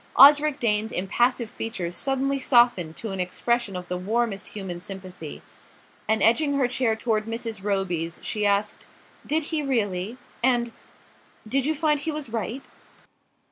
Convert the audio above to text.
Osric Dane's impassive features suddenly softened to an expression of the warmest human sympathy, and edging her chair toward Mrs. Roby's she asked: "Did he really? And did you find he was right?"